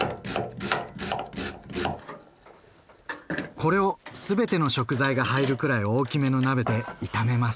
これを全ての食材が入るくらい大きめの鍋で炒めます。